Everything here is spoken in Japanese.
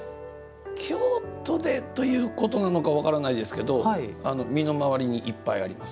京都でということなのか分からないですけど身の回りにいっぱいあります。